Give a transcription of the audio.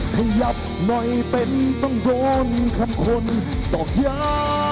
ขยับหน่อยเป็นต้องโดนคำค้นต่ออย่าง